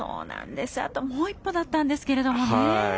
あともう一歩だったんですがね。